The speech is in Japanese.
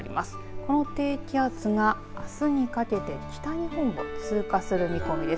この低気圧があすにかけて北日本を通過する見込みです。